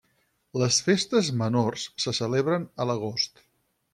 Les festes menors se celebren a l'agost.